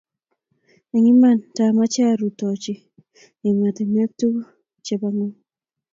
Eng' iman taachame arutochi emotunwek tukuk chepo ng'ony